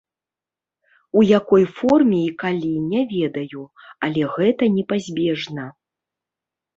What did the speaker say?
У якой форме і калі, не ведаю, але гэта непазбежна.